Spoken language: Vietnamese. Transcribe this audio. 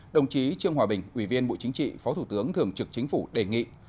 đồng chí trương hòa bình ủy viên bộ chính trị phó thủ tướng thường trực chính phủ đề nghị